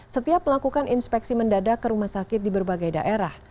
setiap melakukan inspeksi mendadak ke rumah sakit di berbagai daerah